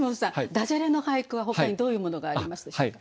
ダジャレの俳句はほかにどういうものがありますでしょうか？